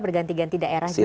berganti ganti daerah juga